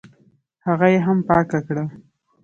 هغه یې هم پاکه کړه.